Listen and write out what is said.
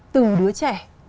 từ đứa trẻ